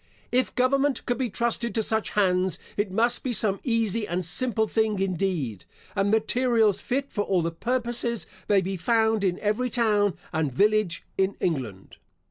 If government could be trusted to such hands, it must be some easy and simple thing indeed, and materials fit for all the purposes may be found in every town and village in England.